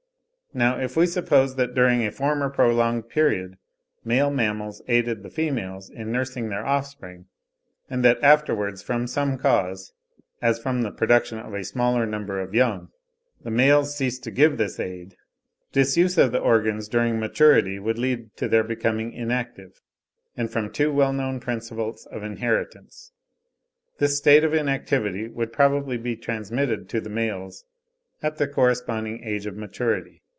Now if we suppose that during a former prolonged period male mammals aided the females in nursing their offspring (31. Mlle. C. Royer has suggested a similar view in her 'Origine de l'homme,' etc., 1870.), and that afterwards from some cause (as from the production of a smaller number of young) the males ceased to give this aid, disuse of the organs during maturity would lead to their becoming inactive; and from two well known principles of inheritance, this state of inactivity would probably be transmitted to the males at the corresponding age of maturity.